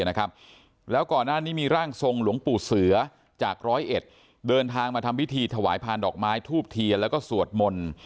แล้วก่อนหน้านี้มีร่างทรงหลวงปู่เสือจากร้อยเอ็ดเดินทางมาทำพิธีถวายพานดอกไม้ทูบเทียนแล้วก็สวดมนต์